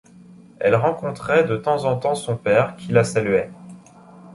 Elle rencontrait de temps en temps son père, qui la saluait.